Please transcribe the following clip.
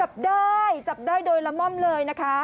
จับได้จับได้โดยละม่อมเลยนะคะ